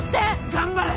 頑張れ！